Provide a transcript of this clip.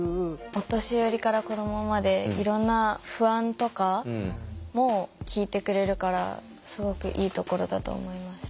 お年寄りから子どもまでいろんな不安とかも聞いてくれるからすごくいいところだと思いました。